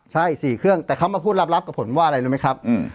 ใช่๔เครื่องแต่เขามาพูดลับกับผลว่าอะไรรู้ไหมครับ